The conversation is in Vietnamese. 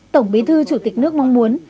tổng bí thư chủ tịch nước mong muốn